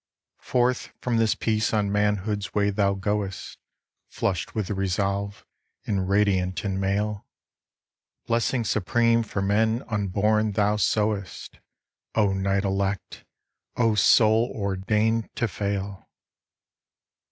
Forth from this peace on manhood's way thou goest, Flushed with resolve, and radiant in mail; Blessing supreme for men unborn thou sowest, O knight elect! O soul ordained to fail!